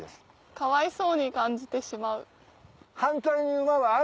かわいそうに感じてしまう。